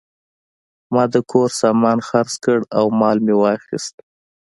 ما د کور سامان خرڅ کړ او مال مې واخیست.